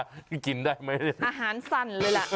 มันกินได้ไหม